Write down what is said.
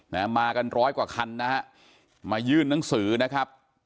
มากันร้อยกว่าคันนะฮะมายื่นหนังสือนะครับ